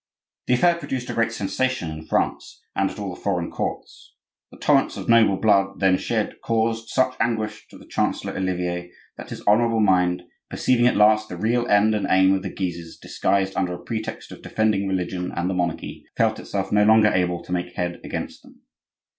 The affair produced a great sensation in France and at all the foreign courts. The torrents of noble blood then shed caused such anguish to the chancellor Olivier that his honorable mind, perceiving at last the real end and aim of the Guises disguised under a pretext of defending religion and the monarchy, felt itself no longer able to make head against them.